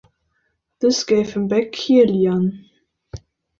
This gave him back Caerleon.